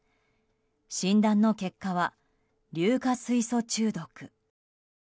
診断の結果は硫化水素中毒。